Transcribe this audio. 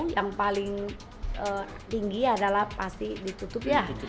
yang paling tinggi adalah pasti ditutup ya